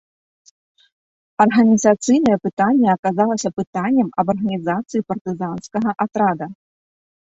Арганізацыйнае пытанне аказалася пытаннем аб арганізацыі партызанскага атрада.